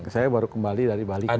saya baru kembali dari bali